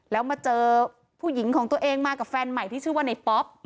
แล้วมาเจอผู้หญิงของตัวเองมากับแฟนใหม่ที่ชื่อว่าในป๊อป